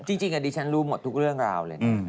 จริงอันนี้ฉันรู้หมดทุกเรื่องราวเลยเนี่ย